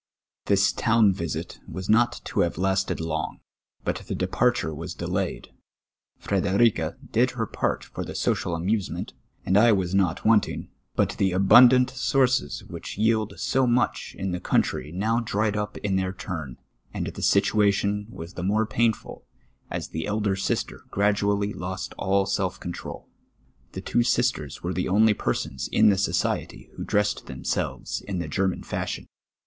This town ^ isit was not to have lasted long : but the depar ture was delayed. Frederica did her part for the social amuse ment, and I was not wanting, but the abundant sources which yield so much in the country now dried up in their tmn, and the situation was the more painful, as the elder sister gradually lost all self control. The two sist(TS were the only persons in the society who dressed themselves in the Gennan fashion.